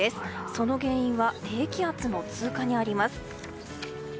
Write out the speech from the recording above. その原因は低気圧の通過にあります。